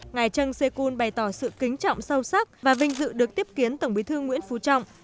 ngài trần sê kyun bày tỏ sự kính trọng sâu sắc và vinh dự được tiếp kiến tổng bí thư nguyễn phú trọng